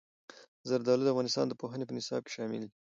زردالو د افغانستان د پوهنې په نصاب کې شامل دي.